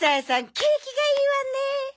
景気がいいわね。